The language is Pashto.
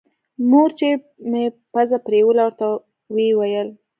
مور چې مې پزه پرېوله ورته ويې ويل.